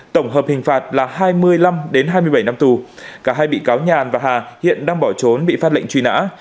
tổng hợp hình phạt là hai mươi năm hai mươi bảy năm tù cả hai bị cáo nhàn và hà hiện đang bỏ trốn bị phát lệnh truy nã